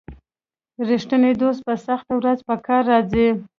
رښتینی دوست په سخته ورځ په کار راځي.